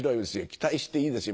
期待していいですよ